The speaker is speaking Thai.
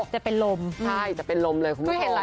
จะเป็นลมใช่จะเป็นลมเลยคุณผู้ชมล่ะ